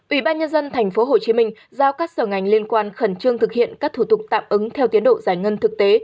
ubnd tp hcm giao các sở ngành liên quan khẩn trương thực hiện các thủ tục tạm ứng theo tiến độ giải ngân thực tế